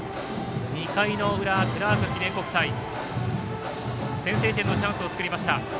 ２回の裏、クラーク記念国際先制点のチャンスを作りました。